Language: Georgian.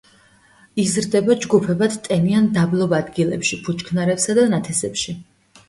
იზრდება ჯგუფებად ტენიან დაბლობ ადგილებში, ბუჩქნარებსა და ნათესებში.